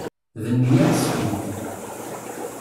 D neyya Meskint.